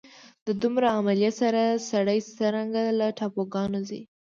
د دومره عملې سره سړی څرنګه له ټاپوګانو ځي.